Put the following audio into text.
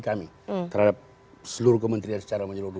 kami terhadap seluruh kementerian secara menyeluruh